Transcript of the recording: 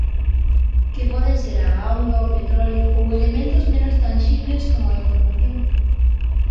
Que poden ser a auga, o petróleo... ou elementos menos tanxibles, como a información.